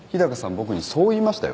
僕にそう言いましたよ。